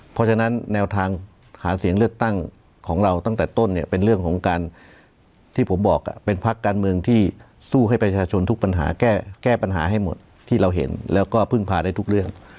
เพราะฉะนั้นแนวทางหาเสียงเลือกตั้งของเราตั้งแต่ต้นเนี่ยเป็นเรื่องของการที่ผมบอกเป็นพักการเมืองที่สู้ให้ประชาชนทุกปัญหาแก้ปัญหาให้หมดที่เราเห็นแล้วก็พึ่งพาได้ทุกเรื่อง